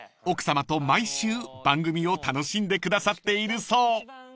奥さまと毎週番組を楽しんでくださっているそう］